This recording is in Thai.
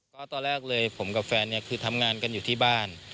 ก็ตอนแรกเลยผมกับแฟนเนี่ยคือทำงานกันอยู่ที่บ้าน